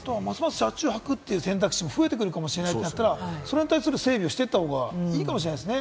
車中泊って選択肢も増えてくるんだったら、それに対する整備をしていった方がいいかもしれないですね。